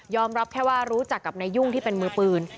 รับแค่ว่ารู้จักกับนายยุ่งที่เป็นมือปืน